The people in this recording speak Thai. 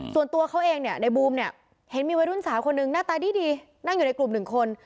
ส่วนตัวเขาเองเนี่ยในบูมเนี่ยเห็นมีวัยรุ่นสาวคนหนึ่งหน้าตาดีนั่งอยู่ในกลุ่มหนึ่งคน